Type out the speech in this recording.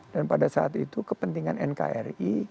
dan pada saat itu kepentingan nkri